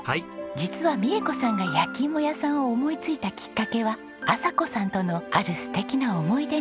実は美恵子さんが焼き芋屋さんを思いついたきっかけは麻子さんとのある素敵な思い出にあるんです。